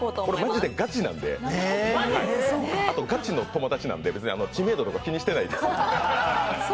まじでガチなんであとガチの友達なんで知名度とか気にしてないです。